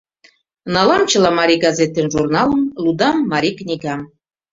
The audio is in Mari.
Налам чыла марий газет ден журналым, лудам марий книгам.